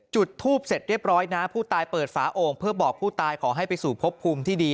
จุดทูบเสร็จเรียบร้อยนะผู้ตายเปิดฝาโอ่งเพื่อบอกผู้ตายขอให้ไปสู่พบภูมิที่ดี